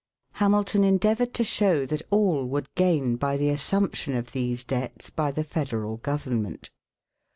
Hamilton endeavored to show that all would gain by the assumption of these debts by the federal government.